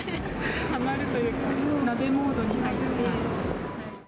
はまるというか、鍋モードに入って。